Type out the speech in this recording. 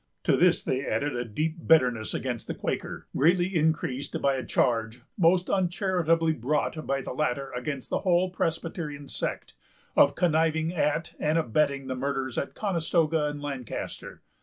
To this they added a deep bitterness against the Quaker, greatly increased by a charge, most uncharitably brought by the latter against the whole Presbyterian sect, of conniving at and abetting the murders at Conestoga and Lancaster.